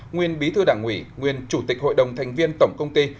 nguyên bí thư đảng ủy nguyên chủ tịch hội đồng thành viên tổng công ty